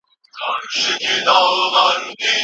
هیوادونه د ساینسي پراختیا په برخه کي ګډي ګټي پالي.